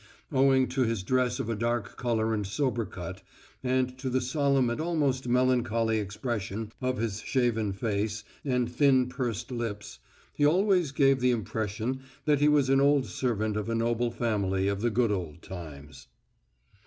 Owing to his dress of a dark colour and sober cut, and to the solemn and almost melancholy expression of his shaven face and thin pursed lips, he always gave the impression that he was an old servant of a noble family of the good old times.